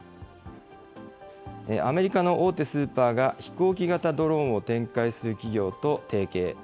アメリカの大手スーパーが飛行機型ドローンを展開する企業と提携。